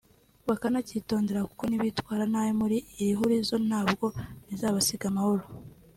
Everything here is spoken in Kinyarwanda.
bakanacyitondera kuko nibitwara nabi muri iri hurizo nta bwo bizabasiga amahoro